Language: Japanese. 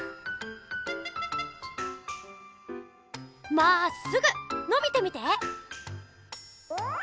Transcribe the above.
まっすぐのびてみて！